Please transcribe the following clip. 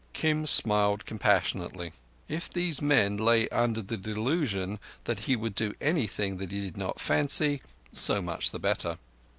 Kim smiled compassionately. If these men lay under the delusion that he would do anything that he did not fancy, so much the better.